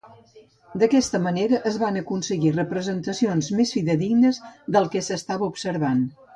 D'aquesta manera es van aconseguir representacions més fidedignes del que s'estava observant.